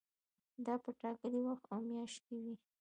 دا په ټاکلي وخت او میاشت کې وي.